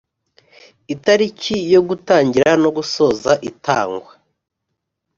Itariki yo gutangira no gusoza itangwa